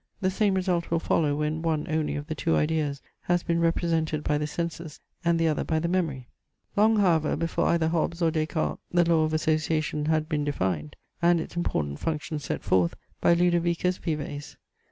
The same result will follow when one only of the two ideas has been represented by the senses, and the other by the memory. Long however before either Hobbes or Des Cartes the law of association had been defined, and its important functions set forth by Ludovicus Vives.